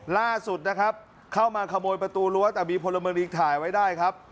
ล่าสุดนะครับเข้ามาขโมยประตูรั้วแต่มีพลเมืองดีถ่ายไว้ได้ครับ